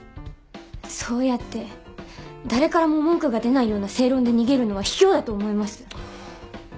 そうやって誰からも文句が出ないような正論で逃げるのは卑怯だと思います。